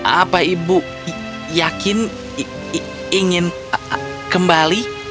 a apa ibu yakin i i ingin kembali